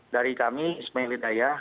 dari kami ismail lidayah